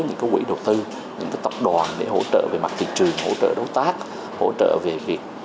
những quỹ đầu tư những tập đoàn để hỗ trợ về mặt thị trường hỗ trợ đối tác hỗ trợ về việc